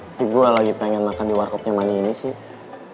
tapi gue lagi pengen makan di work up nya manny ini sih